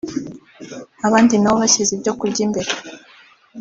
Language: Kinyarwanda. Abandi na bo bashyize ibyokurya imbere